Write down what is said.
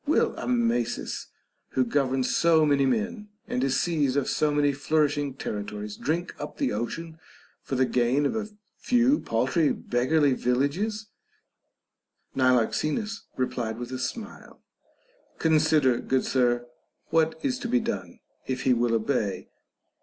Will Amasis, who governs so many men and is seized of so many nourishing territories, drink up the ocean for the gain of a few paltry, beggarly villages % Niloxenus replied with a smile : Consider, good sir, what is to be done, if he will obey.